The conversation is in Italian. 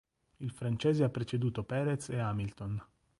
Il francese ha preceduto Pérez e Hamilton.